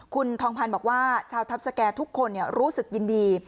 คุณทองพันธ์บอกว่าชาวทัพสแก่ทุกคนรู้สึกยินดี